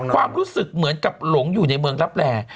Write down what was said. ความรู้สึกเหมือนกับหลงอยู่ในเมืองรับแร่